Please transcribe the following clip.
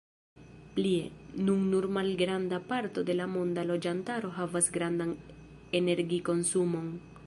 Plie, nun nur malgranda parto de la monda loĝantaro havas grandan energikonsumon.